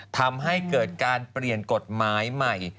ทำให้เกิดการเปลี่ยนกฎหมายใหม่